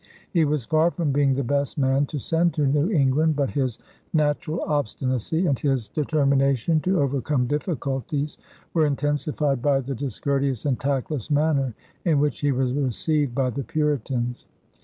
He was far from being the best man to send to New England, but his natural obstinacy and his determination to overcome difficulties were intensified by the discourteous and tactless manner in which he was received by the Puritans.